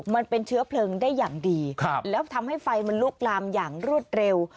มันเป็นเชื้อเพลิงได้อย่างดีแล้วทำให้ไฟมันลุกลามอย่างรวดเร็ว